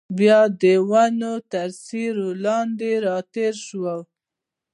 بیا د ونو تر سیوري لاندې راتېر شول.